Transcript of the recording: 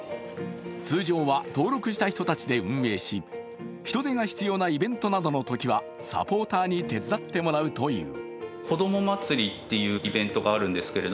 通常は登録した人たちで運営し、人手が必要なイベントのときはサポーターに手伝ってもらうという。